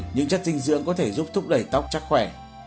những chất dinh dưỡng có thể giúp thúc đẩy tóc chắc khỏe